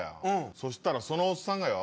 そしたらそのおっさんがよ